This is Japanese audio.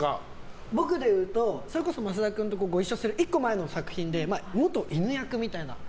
僕でいうとそれこそ増田君とご一緒する１個前の作品で元犬役みたいな。